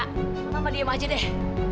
sama sama diem aja deh